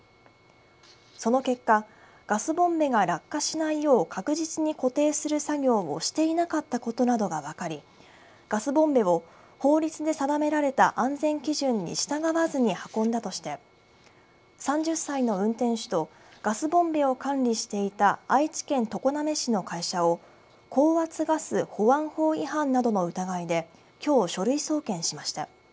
その結果ガスボンベが落下しないよう確実に固定する作業をしていなかったことなどが分かりガスボンベを法律で定められた安全基準に従わずに運んだとして３０歳の運転手とガスボンベを管理していた愛知県常滑市の会社を高圧ガス保安法違反などの疑いできょう、書類送検しました。